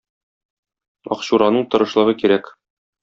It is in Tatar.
Акчураның тырышлыгы кирәк